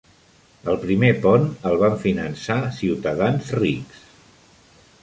El primer pont el van finançar ciutadans rics.